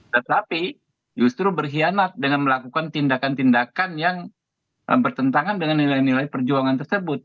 tetapi justru berkhianat dengan melakukan tindakan tindakan yang bertentangan dengan nilai nilai perjuangan tersebut